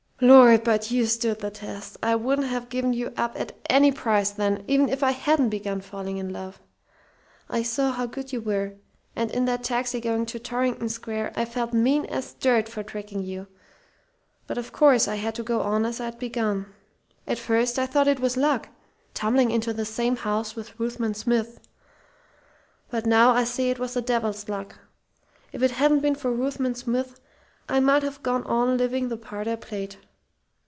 "Lord, but you stood the test! I wouldn't have given you up at any price then, even if I hadn't begun falling in love. I saw how good you were; and in that taxi going to Torrington Square I felt mean as dirt for tricking you. But of course I had to go on as I'd begun. "At first I thought it was luck, tumbling into the same house with Ruthven Smith; but now I see it was the devil's luck. If it hadn't been for Ruthven Smith I might have gone on living the part I played.